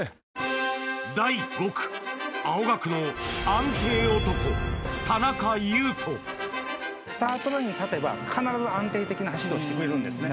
第５区青学の安定男スタートラインに立てば必ず安定的な走りをしてくれるんですね